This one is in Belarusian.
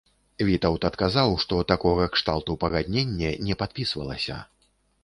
Вітаўт адказаў, што такога кшталту пагадненне не падпісвалася.